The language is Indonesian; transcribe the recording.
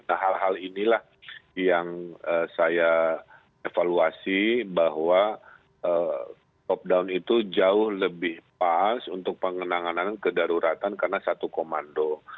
nah hal hal inilah yang saya evaluasi bahwa top down itu jauh lebih pas untuk pengenangan kedaruratan karena satu komando